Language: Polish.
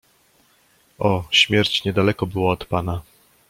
"O, śmierć niedaleko była od pana."